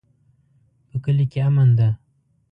په کلي کې امن ده